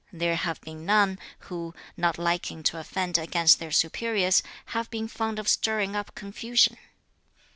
There have been none, who, not liking to offend against their superiors, have been fond of stirring up confusion.